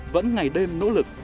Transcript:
vẫn ngày đêm nỗ lực